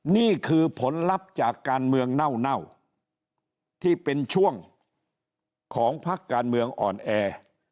นี่คือผลลัพธ์จากการเมืองเน่าที่เป็นช่วงของพักการเมืองอ่อนแอ